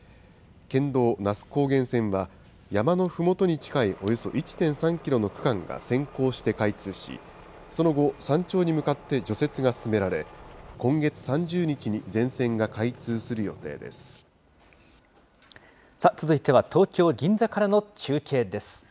県道那須高原線は山のふもとに近いおよそ１．３キロの区間が先行して開通し、その後、山頂に向かって除雪が進められ、今月３０日さあ続いては、東京・銀座からの中継です。